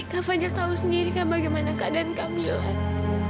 kak fadil tahu sendiri kak bagaimana keadaan kamilah